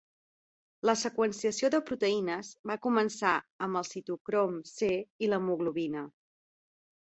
La seqüenciació de proteïnes va començar amb el citocrom C i l'hemoglobina.